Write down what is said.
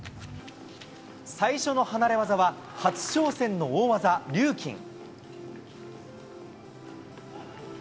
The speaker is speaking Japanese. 最初の離れ業は、初挑戦の大技、リューキン。